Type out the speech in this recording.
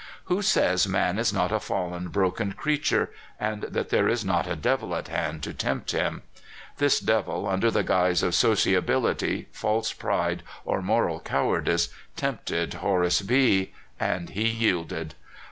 Who says man is not a fallen, broken creature, and that there is not a devil at hand to tempt him? This devil, under the guise of sociability, false pride, or moral cowardice, tempted Horace B , and he yielded.